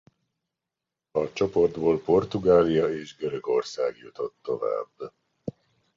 A csoportból Portugália és Görögország jutott tovább.